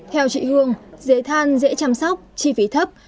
theo chị hương dế than dễ chăm sóc chi phí thấp